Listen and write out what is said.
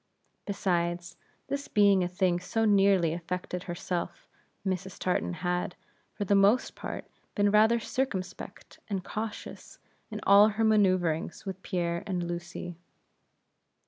Besides, this being a thing so nearly affecting herself, Mrs. Tartan had, for the most part, been rather circumspect and cautious in all her manoeuvrings with Pierre and Lucy.